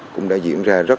cũng đã diễn ra rất nhiều